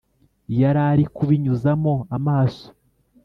Yarari kubinyuzamo amaso